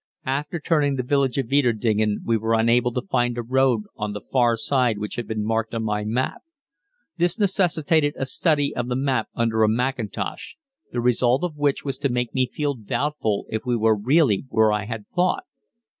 After turning the village of Weiterdingen we were unable to find a road on the far side which had been marked on my map. This necessitated a study of the map under a mackintosh, the result of which was to make me feel doubtful if we really were where I had thought.